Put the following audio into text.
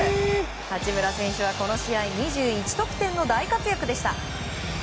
八村選手は、この試合２１得点の大活躍でした。